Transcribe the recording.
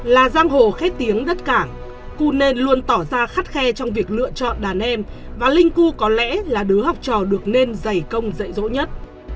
là giang hồ khét tiếng đất cảng cu nên luôn tỏ ra khắt khe trong việc lựa chọn đàn em và linh cu có lẽ là đứa học trò được nên dày công dạy dỗ nhất